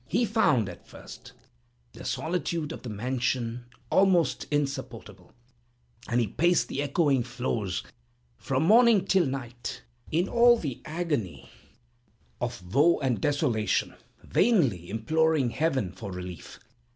"He found, at first, the solitude of the mansion almost insupportable, and he paced the echoing floors from morning till night, in all the agony of woe and desolation, vainly imploring Heaven for relief.